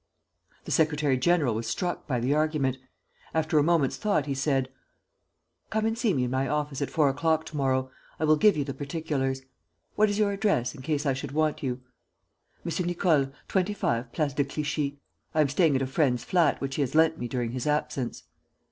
The secretary general was struck by the argument. After a moment's thought, he said: "Come and see me in my office at four o'clock to morrow. I will give you the particulars. What is your address, in case I should want you?" "M. Nicole, 25, Place de Clichy. I am staying at a friend's flat, which he has lent me during his absence."